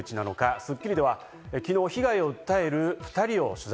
『スッキリ』は昨日、被害を訴える２人を取材。